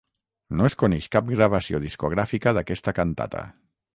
No es coneix cap gravació discogràfica d'aquesta cantata.